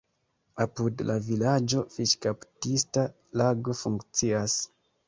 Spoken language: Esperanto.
Apud la vilaĝo fiŝkaptista lago funkcias.